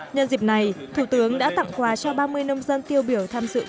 nhân dịp này thủ tướng đã tặng khóa cho ba mươi nông dân tiêu biểu tham dự cuộc đối thoại